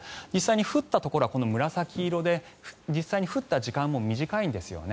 降ったところは紫色で降った時間も短いんですね。